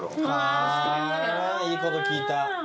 あぁーいいこと聞いた。